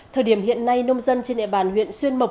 thời điểm hiện nay nông dân trên địa bàn huyện xuyên mộc